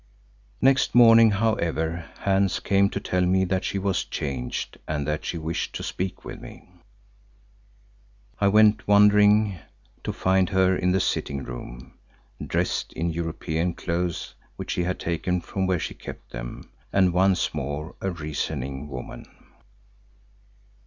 Next morning, however, Hans came to tell me that she was changed and that she wished to speak with me. I went, wondering, to find her in the sitting room, dressed in European clothes which she had taken from where she kept them, and once more a reasoning woman.